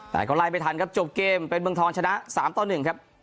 แต่ก็ไล่ไม่ทันครับจบเกมเป็นเมืองทองชนะ๓ต่อ๑ครับ